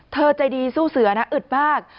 เธอใจดีสู้เสือนะอึดมาก